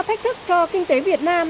thách thức cho kinh tế việt nam